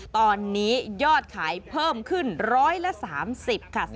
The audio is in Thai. ตอนนี้ยอดขายเพิ่มขึ้น๑๓๐ค่ะ